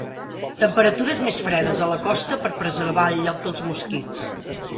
Temperatures més fredes a la costa de preservar el lloc dels mosquits.